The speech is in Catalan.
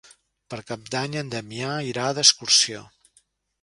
Per Cap d'Any en Damià irà d'excursió.